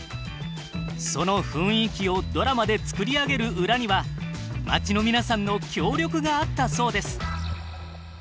その雰囲気をドラマで作り上げる裏には町の皆さんの協力があったそうです。